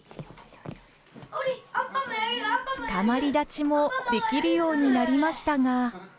つかまり立ちもできるようになりましたが。